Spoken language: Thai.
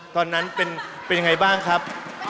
ตอนนั้นเป็นยังไงบ้างครับ